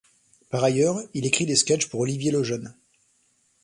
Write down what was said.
Par ailleurs, il écrit des sketches pour Olivier Lejeune.